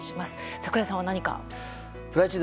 櫻井さんは何か？